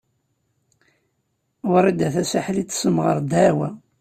Wrida Tasaḥlit tessemɣer ddeɛwa.